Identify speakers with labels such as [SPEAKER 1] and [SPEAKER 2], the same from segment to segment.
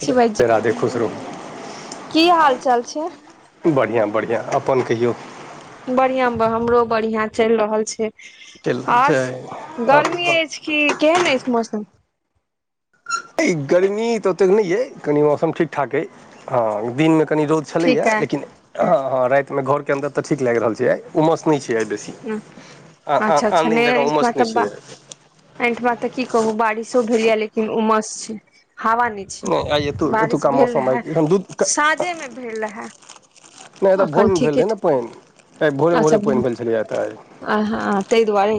[SPEAKER 1] छी भाईजी
[SPEAKER 2] ध राधे खुश रहू।
[SPEAKER 1] की हाल चाल छै।
[SPEAKER 2] बढ़िया बढ़िया अपन कहियौ।
[SPEAKER 1] बढिया ब हमरो बढ़िया चलि रहल छै
[SPEAKER 2] चलि
[SPEAKER 1] ओर गर्मी
[SPEAKER 2] हइ
[SPEAKER 1] अछि। की केहन अइछ मौसम।
[SPEAKER 2] अइ गर्मी त ओतेक नहि अइ कनि मौसम ठीकठाक अइ हँ दिनमे कनि रौद। छलैया
[SPEAKER 1] ठीक अइ
[SPEAKER 2] लेकिन हँ हँ रातिमे घरके अन्दर त ठीक लागि रहल छै आइ उमस नहि छै आइ बेसी। आ
[SPEAKER 1] अच्छा अच्छा नहि
[SPEAKER 2] आनदिन जना
[SPEAKER 1] एहिठमा
[SPEAKER 2] उमस नहि छै।
[SPEAKER 1] तऽ एहिठमा तऽ की कहू बारिशो भेल या लेकिन उमस छै हवा नै। छै
[SPEAKER 2] नहि आइ एतु
[SPEAKER 1] बारिश
[SPEAKER 2] एतुका
[SPEAKER 1] भेल
[SPEAKER 2] मौसम आइ
[SPEAKER 1] रहए
[SPEAKER 2] एखन दू
[SPEAKER 1] साँझेमे भेल रहेय
[SPEAKER 2] नहि एतय भोरमे भेल रहै नऽ पाइन आइ भोरे भोरे पाइन भेल छलैये एतय आइ।
[SPEAKER 1] अहाँ तइ दुआरे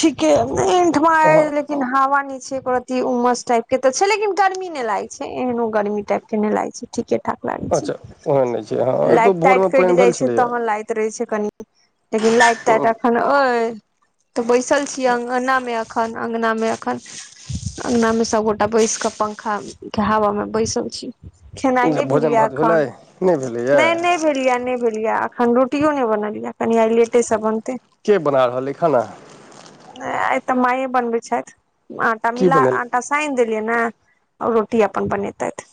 [SPEAKER 1] ठीके अइठमा आइ।
[SPEAKER 2] हँ
[SPEAKER 1] लेकिन हवा नऽ छै एको रती उमस टाइप के ते छै लेकिन गर्मी नहि लागे छै एहनो गर्मी टाइप के नहि लागे छै। ठीके ठाक लागे छै
[SPEAKER 2] अच्छा ओहन नहि छै हँ एतौ
[SPEAKER 1] लाइट
[SPEAKER 2] भोरमे
[SPEAKER 1] ताइट
[SPEAKER 2] पानि
[SPEAKER 1] केट
[SPEAKER 2] भेल
[SPEAKER 1] जाय छै
[SPEAKER 2] छलैए
[SPEAKER 1] तहन लागैत रहे छै कनि। लेकिन लाइट ताइट अखन अहि। तऽ बैसल छीयै अंगना मे एखन अंगना मे एखन। अंगना मे सबगोटा बैसक पंखा के हावमे बैसल छी। खेनाइ नहि भेलै
[SPEAKER 2] भोजन
[SPEAKER 1] यऽ
[SPEAKER 2] भात
[SPEAKER 1] एखन
[SPEAKER 2] भेलै नहि भेलैए
[SPEAKER 1] नहि नहि। नहि भेल य नहि भेल या अखन रोटियो नहि बनल या कनि आइ लेटे सऽ बनतै।
[SPEAKER 2] के बना रहल अइय खाना।
[SPEAKER 1] आइ तऽ माइये बनबै छैथ आटा
[SPEAKER 2] की
[SPEAKER 1] मिला।
[SPEAKER 2] बनेल
[SPEAKER 1] आटा साइन देलियैन ये रोटी अपन बनेैतैथ।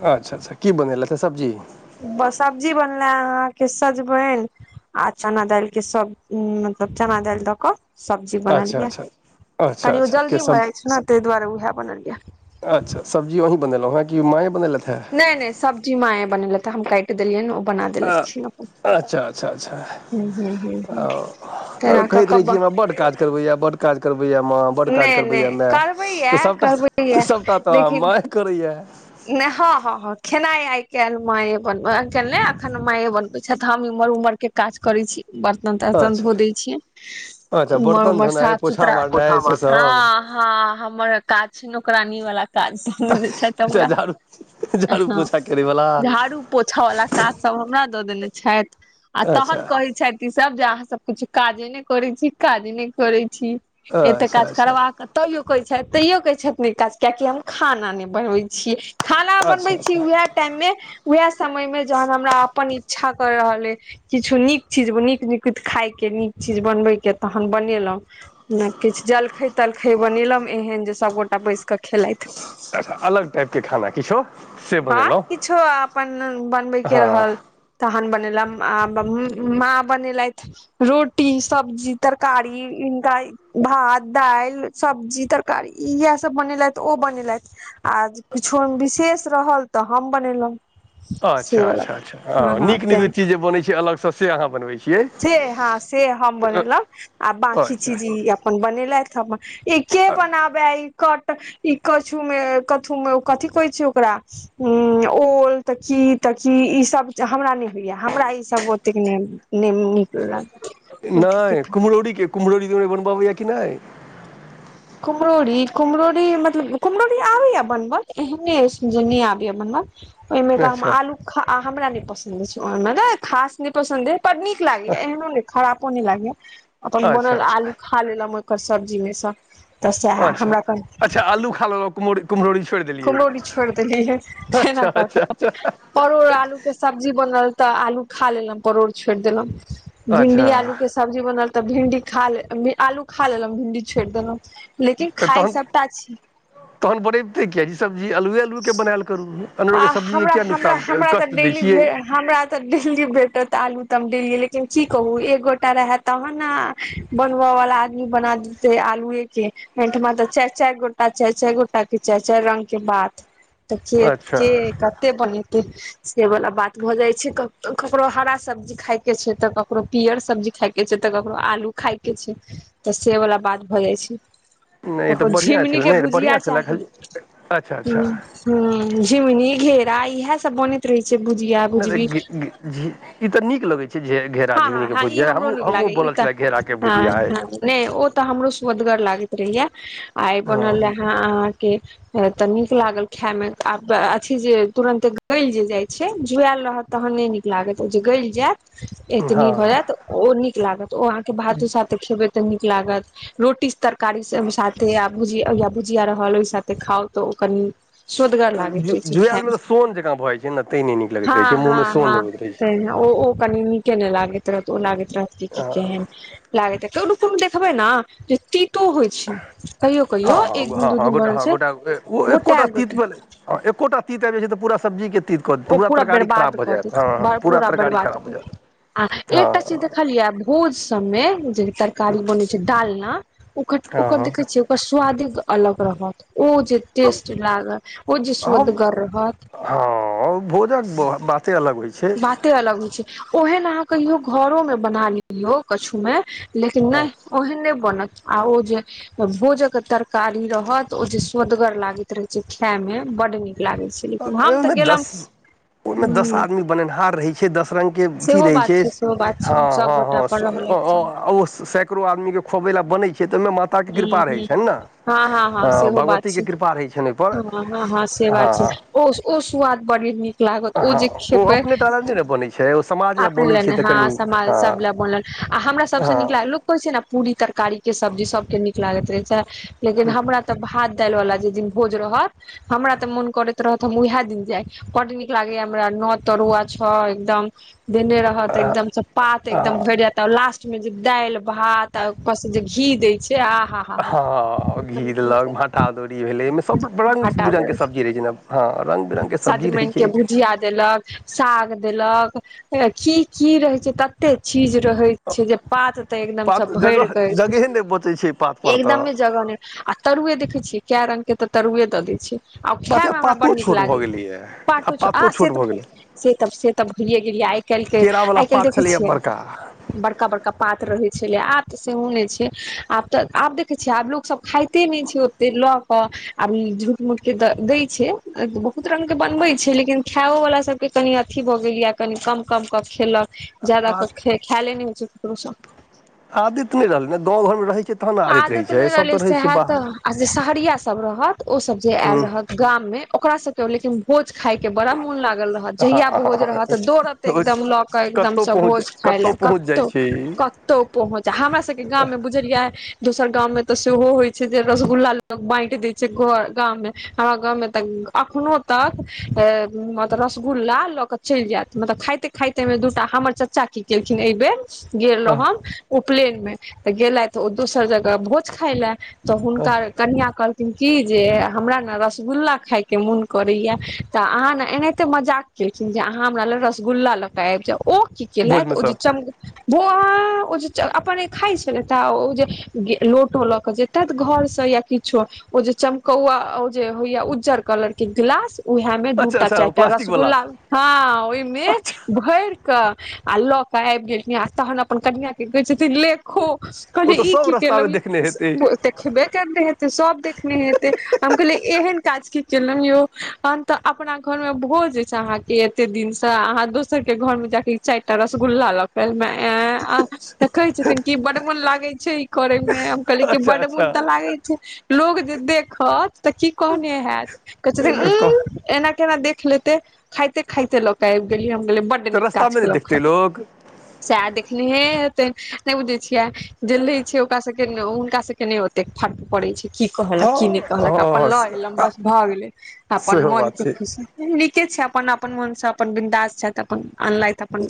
[SPEAKER 2] अच्छा अच्छा की बनेलैथे सब्जी।
[SPEAKER 1] ब सब्जी बनल्ले अहाँके सजबैन। आ चना दाइल के सब्ज़ी मतलब चना दालि द कऽ। सब्जी
[SPEAKER 2] अच्छा
[SPEAKER 1] बनलियै
[SPEAKER 2] अच्छा अच्छा
[SPEAKER 1] कनि ओ
[SPEAKER 2] अच्छा के
[SPEAKER 1] जल्दी भ
[SPEAKER 2] सब
[SPEAKER 1] जाइ छै न तै दुआरे उएह बनलियै ये।
[SPEAKER 2] अच्छा सब्जी अहि बनेलो ये कि माय बनेलैथ या
[SPEAKER 1] नहि नहि सब्जी माय बनेलथि ह हम काटि देलियै ओ बना
[SPEAKER 2] आ
[SPEAKER 1] देलथि छिय अपन
[SPEAKER 2] अच्छा, अच्छा, अच्छा
[SPEAKER 1] हूँ हूँ हूँ हूँ
[SPEAKER 2] तऽ
[SPEAKER 1] तेना कऽ
[SPEAKER 2] कहैत
[SPEAKER 1] कऽ
[SPEAKER 2] रहै कि
[SPEAKER 1] ब
[SPEAKER 2] हमरा बड्ड काज करबै या बड़ काज करबैया माँ बड़ काज
[SPEAKER 1] नहि
[SPEAKER 2] करबे या
[SPEAKER 1] नहि करबै ये
[SPEAKER 2] सभटा
[SPEAKER 1] करबै ये
[SPEAKER 2] सभटा तऽ
[SPEAKER 1] लेकिन
[SPEAKER 2] माय करे या
[SPEAKER 1] नहि हँ हँ हँ खेनाइ आइ काल्हि माये बनबै आइ काल्हि नहि एखन माँए बनबैत छथि हममहर उम्हरके काज करै छी बर्तन तर्तन
[SPEAKER 2] अच्छा
[SPEAKER 1] धो दै छियै
[SPEAKER 2] अच्छा
[SPEAKER 1] उमर
[SPEAKER 2] बर्तन
[SPEAKER 1] उमर
[SPEAKER 2] धोनाइ
[SPEAKER 1] साफ
[SPEAKER 2] पोछा
[SPEAKER 1] सुथरा
[SPEAKER 2] मारनाइ से सब
[SPEAKER 1] हँ हँ हमर काज नौकरानी वाल काज छिथ
[SPEAKER 2] अच्छा
[SPEAKER 1] ह
[SPEAKER 2] झाड़ू झाड़ू पोछा करैवला
[SPEAKER 1] झाड़ू पोछा वालला काज सभ हमरा दऽ देने छथि आ
[SPEAKER 2] अच्छा
[SPEAKER 1] तहन कहै छथि ईसभ जे अहाँ सभ कछु काजे नहि करै छी काजे नहि करैत छी एते
[SPEAKER 2] अच्छा
[SPEAKER 1] काज
[SPEAKER 2] अच्छा
[SPEAKER 1] करबकऽ तैयो कहै छथि तैयो कहै छथिन काज कियाकि हम खाना नहि बनबै छियै। खाना
[SPEAKER 2] अच्छा
[SPEAKER 1] बनबे छै
[SPEAKER 2] अच्छा
[SPEAKER 1] उएह टाइम मे उएह समय मे जहन हमरा अपन इच्छा कर रहल अे किछु नीक चीज नीक निकु खाय के नीक चीज बनबे के तहन बनेलहूँ ने किछु जलखै तलखै बनेल एहन जे सभगोटा बैस क खेलथि
[SPEAKER 2] अच्छा अलग टाइप के खाना किछो से
[SPEAKER 1] ह
[SPEAKER 2] बनेलहुँ
[SPEAKER 1] किछो अपन बनबै के रहल
[SPEAKER 2] हँ
[SPEAKER 1] तहन बनेलथि माँ बनेलथि। रोटी सब्जी तरकारी इनका। भात दालि सब्जी तरकारी इएह सभ बनेलथि ओ बनेलथि आ किछो विशेष रहल तऽ हम बनेलहुँ।
[SPEAKER 2] अच्छा
[SPEAKER 1] से वला
[SPEAKER 2] अच्छा अच्छा
[SPEAKER 1] हँ
[SPEAKER 2] हैं
[SPEAKER 1] हँ
[SPEAKER 2] नीक
[SPEAKER 1] तें
[SPEAKER 2] नीक चीज जे बनैत छै अलग से अहाँ बनबै छियै
[SPEAKER 1] से हँ से हम
[SPEAKER 2] अ-
[SPEAKER 1] बनेल आ बकी
[SPEAKER 2] अच्छा
[SPEAKER 1] चीज अपन बनेलथि हम के
[SPEAKER 2] अ-
[SPEAKER 1] बनाबे कट ई कछु मे कथु मे ओ कथी कहै छै ओकरा ओल तऽ कि तऽ की ईसभ हमरा नहि होइया हमरा ईसभ ओतेक नहि नै निक लाग
[SPEAKER 2] नहि कुमरोरी के कुमरोरी बनब आबे या कि नहि
[SPEAKER 1] कुम्हररी कुम्हरौरी मतलब कुम्हरौरी आबैए बनबल एहने अछि जे नहि आबैए बनबल ओहिमे तऽ
[SPEAKER 2] अच्छा
[SPEAKER 1] आलू हमरा नहि पसन्द छै। ओहिमे खास नहि पसन्द अछि बड़ नीक लागेया एहनो ने खराबो नै लागैया अपन
[SPEAKER 2] अच्छा
[SPEAKER 1] बनल आलू
[SPEAKER 2] अच्छा
[SPEAKER 1] ख खा लेलहु मकर सब्जीमे स तऽ सएह
[SPEAKER 2] अच्छा
[SPEAKER 1] हमरा कह
[SPEAKER 2] अच्छा आलू खा कुमो कुम्हरोरी छोड़ि देलियै
[SPEAKER 1] कुम्हरौरी छोड़ि देलियै
[SPEAKER 2] अच्छा अच्छा
[SPEAKER 1] के सब्जी बनल तऽ आलू खा लेलहु परोड़ छोड़ि देलहूँ
[SPEAKER 2] अच्छा
[SPEAKER 1] भिडी आलू के सब्जी बनल तऽ भिडी खा आलू खा लेलहूँ भिडी छोड़ि देलहुँ लेकिन
[SPEAKER 2] तऽ
[SPEAKER 1] खाइ
[SPEAKER 2] तहन
[SPEAKER 1] सभटा छी।
[SPEAKER 2] तहन बनेबितै किएक ई सब्जी आलुए आलू केनायल करू अनेरोके
[SPEAKER 1] आ
[SPEAKER 2] सब्जीके
[SPEAKER 1] हमरा
[SPEAKER 2] किया नुकसान
[SPEAKER 1] हमरा तऽ
[SPEAKER 2] कष्ट दै
[SPEAKER 1] डेली
[SPEAKER 2] छियै
[SPEAKER 1] हमरा तऽ डेली भेटत आलू तऽ हम डेली लेकिन की कहू एक गोटा रहय तहन न बनव वाला आदमी बना दै आलू एक एहिठमा तऽ चारि चारि गोटा चारि चारि गोटा के चारि चारि रंग के बात तऽ
[SPEAKER 2] अच्छा
[SPEAKER 1] के कते बनते से वाला बात भऽ जाइ छै ककरो हरा सब्जी खाय के छै तऽ ककरो पियर सब्जी खायके। के छै तऽ ककरो आलू खाय के छै तऽ से वाला बात भऽ जाइ छै
[SPEAKER 2] नहि ई तऽ
[SPEAKER 1] तकरो
[SPEAKER 2] बढ़िआँ
[SPEAKER 1] झिमुनी
[SPEAKER 2] छलै
[SPEAKER 1] के
[SPEAKER 2] नहि तऽ
[SPEAKER 1] बुझिया
[SPEAKER 2] बढ़िआँ छलै
[SPEAKER 1] चाही
[SPEAKER 2] खाली अच्छा अच्छा
[SPEAKER 1] हू झिमनी घेरा इह सबो ने रहै छै बुझिया
[SPEAKER 2] नहि त ई तऽ नीक लगे छै घा
[SPEAKER 1] हँ
[SPEAKER 2] झीगुनी
[SPEAKER 1] हँ
[SPEAKER 2] के
[SPEAKER 1] हँ ई
[SPEAKER 2] भुजिया
[SPEAKER 1] हमरो
[SPEAKER 2] हम
[SPEAKER 1] नीक
[SPEAKER 2] हमहूँ
[SPEAKER 1] लागैया ई
[SPEAKER 2] बोल
[SPEAKER 1] तऽ
[SPEAKER 2] छलै घेरा के
[SPEAKER 1] हँ
[SPEAKER 2] भुजिया है
[SPEAKER 1] हँ नहि ओ तऽ हमरो सुदगर लागैत रहहिया आ ई
[SPEAKER 2] हँ
[SPEAKER 1] बनल रहेा अहाँकेँ तऽ नीक लागल खाय मे आ अथी जे तुरंत गल जे जाय छै जुआ रह तहन नहि नीक लागत जे गल जायत। भऽ
[SPEAKER 2] हँ
[SPEAKER 1] जायत ओ नीक लागत ओ अहाँकेँ भात उसातऽ खेबै तऽ नीक लागत रोटी तरकार कारी साथे आ भुजया भुजिया रहल ओहि साथे खाउ तऽ ओ कनि। सुन्दर लागे छै ख
[SPEAKER 2] जुआएलमे तऽ सोन जकाँ भऽ जाइ छै ने तैँ नहि नीक
[SPEAKER 1] ह,
[SPEAKER 2] लगैत रहै छै
[SPEAKER 1] ह,
[SPEAKER 2] मुँहमे सोन
[SPEAKER 1] ह,
[SPEAKER 2] अबैत रहै
[SPEAKER 1] त
[SPEAKER 2] छै
[SPEAKER 1] ओ ओ कनि नीके नहि लागैत रहत ओ लागैत रहत कि केहन। लागे ओ रप देखबै ने जे ततो होइ। कहियो कहियो
[SPEAKER 2] हँ
[SPEAKER 1] एक
[SPEAKER 2] हँ
[SPEAKER 1] दिन
[SPEAKER 2] हँ
[SPEAKER 1] दू
[SPEAKER 2] हँ
[SPEAKER 1] दिन
[SPEAKER 2] गोटा
[SPEAKER 1] बर छै गोटाे गोटाे।
[SPEAKER 2] आ एकोटा तीत आबि छै तऽ पूरा सब्जीके तीत। कऽ देत
[SPEAKER 1] ओ पूरा
[SPEAKER 2] तरकारी खराब
[SPEAKER 1] बरबाद
[SPEAKER 2] भऽ
[SPEAKER 1] कऽ
[SPEAKER 2] जायत हँ
[SPEAKER 1] देथि
[SPEAKER 2] हँ
[SPEAKER 1] पूरा
[SPEAKER 2] तरकारी
[SPEAKER 1] बर्बाद
[SPEAKER 2] खराब भऽ
[SPEAKER 1] कऽ देथि।
[SPEAKER 2] जायत
[SPEAKER 1] आ एकटा चिज़
[SPEAKER 2] हँ
[SPEAKER 1] देखलिये भोज सभ मे जे तरकारी बन छै डालना ओ ओकर
[SPEAKER 2] हँ
[SPEAKER 1] देखे छ ओकर स्वादे अलग रहत ओ जे टेस्ट लाग ओ जे
[SPEAKER 2] हँ
[SPEAKER 1] सुदगर रहत।
[SPEAKER 2] हँ भोजक बाते अलग होइ छै।
[SPEAKER 1] अलग होइ छै ओहन अहाँ कहियौ घरो मे बना लियौ कछु मे लेकिन
[SPEAKER 2] हँ
[SPEAKER 1] नहि ओहन्द नहि बनत आउ ज भोज के तरकारी रहत ओ जे सदगर लागैत रहे छै। खाय मे बड नीक लागे छै लेकिन हम तऽ
[SPEAKER 2] मे दस
[SPEAKER 1] गेलम
[SPEAKER 2] ओहिमे
[SPEAKER 1] ह
[SPEAKER 2] दस आदमी बनेनिहार रही। दस रंग के अथी
[SPEAKER 1] सेहो
[SPEAKER 2] रहै
[SPEAKER 1] बात
[SPEAKER 2] छै
[SPEAKER 1] सेहो बात छै
[SPEAKER 2] ह
[SPEAKER 1] सबगोटा अपन रहलथि
[SPEAKER 2] ह ककरो आदमी के खुआबै लऽ बनै छै तऽ ओहिमे माताक के कृपा रहै छै ने
[SPEAKER 1] ह ह सेहो बात
[SPEAKER 2] भगवतीके
[SPEAKER 1] छै
[SPEAKER 2] कृपा रहै छनि ओहिपर
[SPEAKER 1] ह हँ हँ से बात छै
[SPEAKER 2] हँ
[SPEAKER 1] ओ ओ सुआद बढ़ि न लागत ओ
[SPEAKER 2] हँ
[SPEAKER 1] जे खेपै
[SPEAKER 2] अपने टा लए नहि ने बनै छै ओ समाज लए
[SPEAKER 1] अपने
[SPEAKER 2] बनै
[SPEAKER 1] ल
[SPEAKER 2] छै
[SPEAKER 1] नहि
[SPEAKER 2] तऽ कनि
[SPEAKER 1] ह माल
[SPEAKER 2] हँ
[SPEAKER 1] ल बोन आ हमरा सभसँ
[SPEAKER 2] हँ
[SPEAKER 1] नीक लागलु छै ने पूरी तरकारी के सब्जी सभके नीक लागैत रहै छै लेकिन हमरा तऽ भात दालि वालला जे दिन भोज रहत हमरा ते मोन करैत रहत हम उएहे दिन जाय। कड नीक लागै हमरा नओ तरुआ छ एकदम द त एकदम से पात एकदम भरि जात लास्ट मे जे दालि भात उपर से जे घी दय छै। से आहा।
[SPEAKER 2] ह, घी देलक भाटा दौरी भेले ओमे सभ रंग बिरंग के
[SPEAKER 1] हटा
[SPEAKER 2] सब्जी रहे छै जेना हँ रङ्ग बिरङ्गके सब्जी रहै
[SPEAKER 1] सजमनि के
[SPEAKER 2] छै
[SPEAKER 1] भुजिया देलक। साग देलक कि रहे छै तते चीज रहे छै। जे पातते एकदम
[SPEAKER 2] पात
[SPEAKER 1] सभ भर
[SPEAKER 2] जगह
[SPEAKER 1] क
[SPEAKER 2] जगहे नहि बचै छै पातपर
[SPEAKER 1] एकदम
[SPEAKER 2] तऽ
[SPEAKER 1] जगह नायी आ तरुए देखे छियै कए रंग के तऽ तरुए दे छी आ
[SPEAKER 2] बात छै
[SPEAKER 1] खाय मे
[SPEAKER 2] आब
[SPEAKER 1] हमरा बड
[SPEAKER 2] पातो
[SPEAKER 1] नीक
[SPEAKER 2] छोट भऽ गेलैए आब
[SPEAKER 1] पाटो छ
[SPEAKER 2] पातो
[SPEAKER 1] आ से
[SPEAKER 2] छोट भऽ
[SPEAKER 1] तऽ
[SPEAKER 2] गेलै
[SPEAKER 1] से तऽ भइे गेलियै आइ काल्हि के
[SPEAKER 2] केरावला
[SPEAKER 1] आ
[SPEAKER 2] पात छलियै बड़का
[SPEAKER 1] बड़का बड़का पात रहै छलै आब तऽ सेहो नहि छै आब तऽ आब देखै छियै आब लो। सभ खाते मे छै ओते लऽ के आब झूठ मूठ के दै छै बहुत रंग के बनबे छै लेकिन खायो वाला सभके कनि अथि भऽ गेल या कनि कम कम कऽ खेलक ज्यदा
[SPEAKER 2] आ
[SPEAKER 1] कऽ खैले नहि हो छै ककरो सब
[SPEAKER 2] आदत नहि रहलै ने गाँव घरमे रहै छै तहन ने रहै
[SPEAKER 1] आदत
[SPEAKER 2] छै
[SPEAKER 1] नहि
[SPEAKER 2] सभ तऽ रहै छै बाहर
[SPEAKER 1] रहल सहरिया सब रहत ओ सब जे आयल
[SPEAKER 2] हूँ
[SPEAKER 1] रहत गाम मे ओकरा सब लेकिन भोज खाायके बड़ा मोन लागल रहत
[SPEAKER 2] हँ
[SPEAKER 1] जहियआ भोज रहत तऽ दौड़त
[SPEAKER 2] हँ
[SPEAKER 1] एकदम लऽ कऽ
[SPEAKER 2] कतहु
[SPEAKER 1] एकदमसँ
[SPEAKER 2] पहुँच
[SPEAKER 1] भोज खाय ल
[SPEAKER 2] पहुँच जाइ
[SPEAKER 1] कतहु
[SPEAKER 2] छै
[SPEAKER 1] कतहु पहुँच हमरा सबके गामव मऽ बुझलियिया दोसर गां में त सेहो होइ छै जे रसगुल्ला लग बाट देय छै घर गां में हमरा गाँं मे अखनो तक रसगुल्ला ल क चेल जायत मतलब खायेते खायेते खाइते मे दूटा हमर चाचा की केलखिन एहि बेर गेल रह हम उपनयन मे तऽ गेलथि ओ दोसर जगह भोज खााय लए तऽ हुनका कनिया कहलखिन की जे हमरा नऽ रसगुल्ला खाायके मोन करैया तऽ अहाँ ने एनाहिते मजाक केलखिन जे अहाँ हमरा ल रसगुल्ला लऽ के आबि जाउ ओ की कयलेत
[SPEAKER 2] भोजमे
[SPEAKER 1] ओ
[SPEAKER 2] सँ
[SPEAKER 1] जेी चम बोहा ओ जे अपने खाइ छल तऽ ओ जे लोटो लऽ कऽ जे त घर से या किच्छो ओ जे चमकौआ अ उ जे होइया उज्जर त कलर के गिलास उहे मे
[SPEAKER 2] अच्छा
[SPEAKER 1] दूटा
[SPEAKER 2] अच्छा ओ
[SPEAKER 1] चाईरटा
[SPEAKER 2] प्लास्टिक वला
[SPEAKER 1] रसगुल्ला हाँ ओहिमे
[SPEAKER 2] अच्छा
[SPEAKER 1] भैर क कऽ अ लऽ कऽ आइब गेलखिन आ तहन अपन कनियाँ क कहय छथिन ले खो,
[SPEAKER 2] ओ तऽ
[SPEAKER 1] कहलीय ई
[SPEAKER 2] सभ
[SPEAKER 1] की केलौं
[SPEAKER 2] रस्तामे
[SPEAKER 1] ये
[SPEAKER 2] देखने हेतै
[SPEAKER 1] एतेक खेबे करने हेतै सब देखने हेतै हम कहलियै ऐहेन काज क लौं यौ आ त अपना घर में भोज छै अहा के एते दिन से अहाँ दोसर के घर मऽ जाके चैर टा रसगुल्ला ल क एल आं त कहय छथिन कि बड मोन लागैत छै ई करय मऽ कहलियय की
[SPEAKER 2] अच्छा
[SPEAKER 1] बड
[SPEAKER 2] अच्छा
[SPEAKER 1] मोन तऽ लागे छै लोग जे देखत तऽ की कहने हैत कहे छथिन
[SPEAKER 2] कह
[SPEAKER 1] ऊ----एना केना देख लेते खाइते- खाइते लऽ कऽ आइब गेलिय हम कहलिए बड निक
[SPEAKER 2] तऽ
[SPEAKER 1] काज
[SPEAKER 2] रस्तामे नहि
[SPEAKER 1] केलू खा
[SPEAKER 2] देखतै लोक
[SPEAKER 1] सेहे देखनेहे हेतै नय बुझै छियै जल्दी छिय ओकरा सब के ते ने हुनका सब के नय ओतेक फर्क पड़य छै की कहलक
[SPEAKER 2] हँ
[SPEAKER 1] की नय कहलक अपन
[SPEAKER 2] हँ
[SPEAKER 1] लऽ एलक भऽ गेलय अपन
[SPEAKER 2] सेहो
[SPEAKER 1] मोन
[SPEAKER 2] बात
[SPEAKER 1] के खुशी नीके छै अपन अपन मनसँ अपन बिन्दास छैथ। तऽ अपन अनलैथ अपन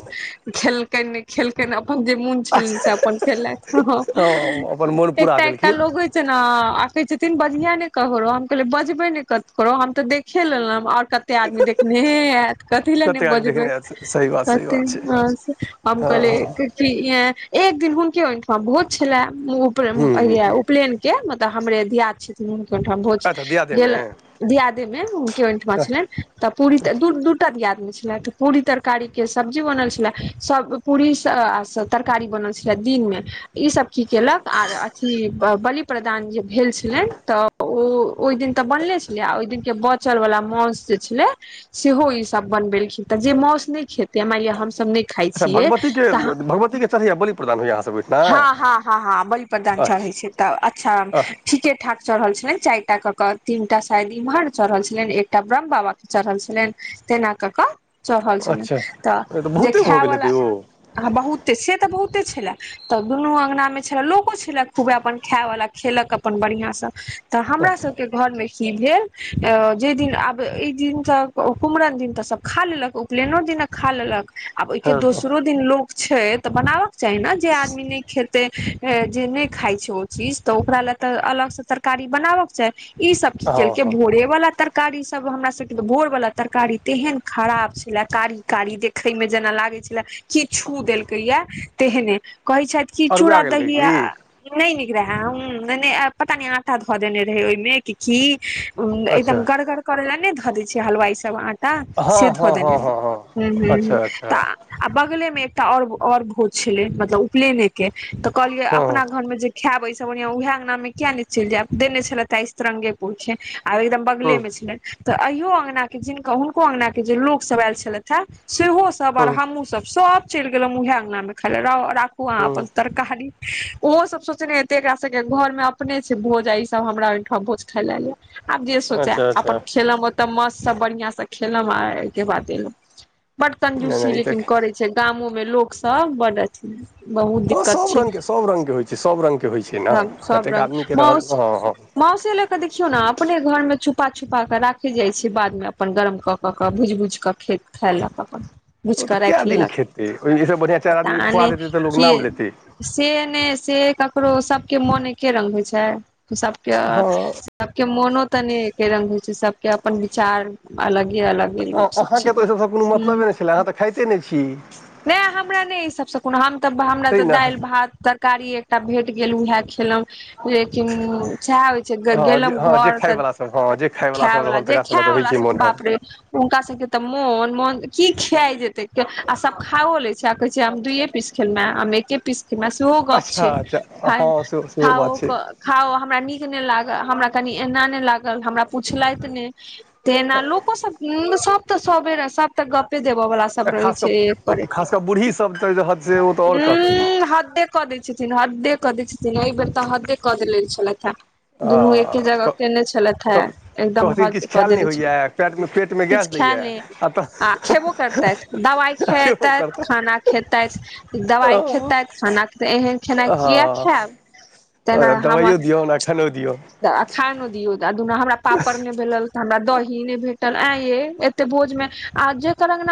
[SPEAKER 1] खेलकैन नै खेलकैन अपन जे मोन छलैंन से
[SPEAKER 2] छै
[SPEAKER 1] अपन भेलैंन हं आं
[SPEAKER 2] ओ अपन मोन पूरा
[SPEAKER 1] एकटा एकटा
[SPEAKER 2] देलखिन
[SPEAKER 1] लोग ऐईछ तेना आ आ कहय छथिन बजिहैं नय ककरो हम कहलियय बजबय नय ककरो हम तऽ देखे लेलहुँ आओर कतेक आदमी देखने हैत कथी लए नय
[SPEAKER 2] कतेक आदमी
[SPEAKER 1] बजबय
[SPEAKER 2] देखने आयल, सही बात सही
[SPEAKER 1] हतय
[SPEAKER 2] बात छै
[SPEAKER 1] अहां से हम
[SPEAKER 2] हँ
[SPEAKER 1] कहलय
[SPEAKER 2] हँ
[SPEAKER 1] कऽ एक दिन हुनके ओहिठमा भोज छलय उपलैन
[SPEAKER 2] हूँ हूँ
[SPEAKER 1] हैया उपलैन के तऽ हमरे दियाद छथिन हुनके ओठाम भोज
[SPEAKER 2] अच्छा दियादेमे
[SPEAKER 1] गेलैन त दियादे में हुनके ओठमां छलैन
[SPEAKER 2] अच्छा
[SPEAKER 1] त पुरी त दूर दूर त दियाद ने छलै तऽ पूरी तरकारी के सब्जी बनल छलै सब के पूरी स आ सब्जी तरकारी बनल छलै दिनमे ई सब की केलक आर अथी ब बलि प्रदान जे भेल छलैन तऽ तऽ ओ ओहि दिन तऽ बनले छलै आ ओहि दिनके बचलवला मौस जे छलय सेहो ई सब बनबेलखिन तऽ जे मौस नय खेतीये मैन लिया हमसभ नय खाय छियय
[SPEAKER 2] भगवतीके
[SPEAKER 1] त ह
[SPEAKER 2] भगवतीके चढ़ैया बलि प्रदान होइया अहाँ सब ओहिठिना
[SPEAKER 1] हाँ, हाँ, हाँ, हाँ बलि प्रदान चढ़य छै
[SPEAKER 2] अच्छा
[SPEAKER 1] तऽ अच्छा ठीके ठाक चढ़ल छलैन चाईर टा क के तीन टा शायद इम्हर चढ़ल छलैन एकटा ब्रह्म बाबा के चढ़ल छलैन तेना कऽ केऽ चढ़ल छलैन
[SPEAKER 2] अच्छा
[SPEAKER 1] तऽ जे
[SPEAKER 2] बहुते भऽ गेल
[SPEAKER 1] खायवला
[SPEAKER 2] हेतै ओ
[SPEAKER 1] आ बहुते से तऽ बहुते छले तऽ दुनू अंगना मे छले लोको छले खूबे अपन खाय वाला खेलक अपन बढ़िया से तऽ हमरा
[SPEAKER 2] अच्छा
[SPEAKER 1] सबकेँ घर में इ खिएलिए जे दिन आब इ दिन त कु कुमरन दिन तऽ सब खा लेलक उपलेनो दिन कऽ खा लेलक आ ओहि केँ
[SPEAKER 2] हँ हँ
[SPEAKER 1] दोसरो दिन लोक छै तऽ बनाबक चाही ने जे आदमी नै खेतय ए जे नहि खाइ छै ओ चीज तऽ ओकरा लए तऽ अलगसँ तरकारी बनाबक चाही इ सब की
[SPEAKER 2] हँ
[SPEAKER 1] केलके
[SPEAKER 2] हँ
[SPEAKER 1] भोरेवला तर कारी सब हमरा सबके तऽ भोर वला तरकारी तेहेन खराब छलय कारी कारी देख देखय में जेना लागय छलै की छू देलकैय या तेहने कहय छैथ की
[SPEAKER 2] अरुआ
[SPEAKER 1] चूड़ा
[SPEAKER 2] गेल रहै
[SPEAKER 1] दही आ
[SPEAKER 2] की
[SPEAKER 1] नै नीक रहै हुं नै नै पता नै आटा धऽ देने रहै ओहिमे कि की हूं
[SPEAKER 2] अच्छा
[SPEAKER 1] एकदम गड़गड़ करे ल नय धऽ दय छै हलवाय सब आ टा
[SPEAKER 2] हँ
[SPEAKER 1] से धऽ
[SPEAKER 2] हँ हँ
[SPEAKER 1] देने
[SPEAKER 2] हँ हँ
[SPEAKER 1] रहइ
[SPEAKER 2] अच्छा अच्छा
[SPEAKER 1] [unintelligible] आ बगले मे एकटा और और भोज छलय मतलब उपलेने के तऽ कहलियै
[SPEAKER 2] हँ
[SPEAKER 1] अपना घरमे जे खैब अए सा बढ़िया उहाय अंगना में किया नय चैल जायब देने छले ता इस्त्रीअंगे पुरखे आब एकदम
[SPEAKER 2] हूँ
[SPEAKER 1] बगले में छलैन त अहियो अंगना के जिनका हुनको अंगना के जे लोक सब आयल छलैथ है सेहो सब आर
[SPEAKER 2] हूँ
[SPEAKER 1] हमहुँ सब सब चैल गेलौं उहे अंगना में खाय ले रहु राखु अहाँ अपन
[SPEAKER 2] हूँ
[SPEAKER 1] तरक कारी ओहो सब सोचे हैते एकरा सब घर मे अपने छै भोजा इ सब हमरा भोज खाय लेल ऐल है आब जे सोचे
[SPEAKER 2] अच्छा
[SPEAKER 1] अपन
[SPEAKER 2] अच्छा
[SPEAKER 1] खेलो है तब मस से बढ़िया से खेले आ ऐ केँ बाद ऐलों [inaudible] बढ़
[SPEAKER 2] नहि
[SPEAKER 1] कंजूसी
[SPEAKER 2] नहि ई
[SPEAKER 1] लेकिन
[SPEAKER 2] तऽ
[SPEAKER 1] करे छै गामो में लोक सब बड अथी बहुत
[SPEAKER 2] हँ
[SPEAKER 1] दिक्कत
[SPEAKER 2] सभ
[SPEAKER 1] छै
[SPEAKER 2] रङ्गके सभ रङ्गके होइ छै सभ रङ्गके होइ छै ने
[SPEAKER 1] [inaudible] हम सब
[SPEAKER 2] कतेक
[SPEAKER 1] रंग
[SPEAKER 2] आदमीके रहल हँ हँ
[SPEAKER 1] मौसे ले के देखियौ ने अपने घर में छुपा छुपा केँ राखे जाय छै बाद मे अपन गरम कऽ कऽ कऽ भुज भूज कऽ खे खेलक अपन भुइज
[SPEAKER 2] ओ तऽ
[SPEAKER 1] कऽ
[SPEAKER 2] कए
[SPEAKER 1] राखि
[SPEAKER 2] दिन
[SPEAKER 1] लेलक
[SPEAKER 2] खेतै ओहिसँ बढ़िआँ
[SPEAKER 1] [inaudible]
[SPEAKER 2] चारि
[SPEAKER 1] पता
[SPEAKER 2] आदमीके खुआ
[SPEAKER 1] ने
[SPEAKER 2] देतै
[SPEAKER 1] नहि
[SPEAKER 2] तऽ लोक नाम
[SPEAKER 1] केँ
[SPEAKER 2] लेतै
[SPEAKER 1] से ने से ककरो सबके मोन एके रंग होइ छै सब केँ
[SPEAKER 2] हँ तऽ
[SPEAKER 1] सभ केँ मोनो तऽ एके रंग होए छै सभ केँ अपन विचार अलग अलग लोक सब
[SPEAKER 2] अहाँके
[SPEAKER 1] छै
[SPEAKER 2] तऽ
[SPEAKER 1] [inaudible]
[SPEAKER 2] ओहि सभसँ कोनो मतलबे नहि छलै अहाँ तऽ खाइते नहि छी
[SPEAKER 1] नहि हमरा नहि ए सभसँ कोनो हम तऽ हमरा
[SPEAKER 2] तै
[SPEAKER 1] तऽ
[SPEAKER 2] ने
[SPEAKER 1] दैल भातर तर कारी एकटा भेट गेल उएह खेलो लेकिन सेह
[SPEAKER 2] हँ जे
[SPEAKER 1] गेलहु
[SPEAKER 2] हँ जे
[SPEAKER 1] घर तऽ
[SPEAKER 2] खायवला सभ हँ जे
[SPEAKER 1] [inaudible]
[SPEAKER 2] खायवला
[SPEAKER 1] खै
[SPEAKER 2] सभ
[SPEAKER 1] वला
[SPEAKER 2] रहल
[SPEAKER 1] जे
[SPEAKER 2] तकरा सभके तऽ होइ
[SPEAKER 1] खैवला
[SPEAKER 2] छै
[SPEAKER 1] सब
[SPEAKER 2] मोन हँ
[SPEAKER 1] बाप रे हुनका सब केँ तऽ मोन मन की खिया जेते आ सब खाओ ले छै आ कहे छै दुये पीस खे मे हम एके पीस खे मे सेहो गप
[SPEAKER 2] अच्छा
[SPEAKER 1] छै
[SPEAKER 2] अच्छा हँ सेहो सेहो बात
[SPEAKER 1] खाओ
[SPEAKER 2] छै
[SPEAKER 1] कऽ खाउ हमरा नीक नहि लागल हमरा कनि एना नहि लागल हमरा पूछलैथ नहि त ने लोक सब सब तऽ सब तऽ गपे देब बला सब
[SPEAKER 2] आ
[SPEAKER 1] रहि
[SPEAKER 2] खास
[SPEAKER 1] छै एक पर
[SPEAKER 2] कऽ
[SPEAKER 1] एक
[SPEAKER 2] खास कऽ बूढ़ीसभ तऽ रहत से ओ तऽ
[SPEAKER 1] [inaudible]
[SPEAKER 2] आओर कहती
[SPEAKER 1] हूँ हद कऽ दै छथिन हदे कऽ दै छथिन एहि बेेर तऽ हदे कऽ देले छलैथ हँ
[SPEAKER 2] आ
[SPEAKER 1] दुनू एके जगह केने छलैथ है
[SPEAKER 2] तऽ
[SPEAKER 1] एकदम
[SPEAKER 2] कहथिन
[SPEAKER 1] हद
[SPEAKER 2] किछु
[SPEAKER 1] कऽ
[SPEAKER 2] खायल नहि
[SPEAKER 1] देने छल
[SPEAKER 2] होइए पेटमे पेटमे
[SPEAKER 1] [inaudible]
[SPEAKER 2] गैस
[SPEAKER 1] किछु खा
[SPEAKER 2] दैए आ तऽ
[SPEAKER 1] आ खेबो करतैथ दवाइ
[SPEAKER 2] केबो
[SPEAKER 1] खेतै
[SPEAKER 2] करता
[SPEAKER 1] खाना खेतै दवाइ खेतै खाना खैते एहन खेनाइ किया
[SPEAKER 2] हँ
[SPEAKER 1] खायब [inaudible] तेना हम
[SPEAKER 2] दबाइयो [unintelligible]
[SPEAKER 1] अच्छ नु दियों दुना हमरा पापड़ नहि भेलल हमरा दही ने भेटल ऐै ये एते भोज में आ जेकर अँगना